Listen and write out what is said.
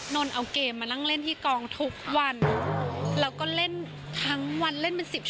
นนเอาเกมมานั่งเล่นที่กองทุกวันแล้วก็เล่นทั้งวันเล่นเป็น๑๐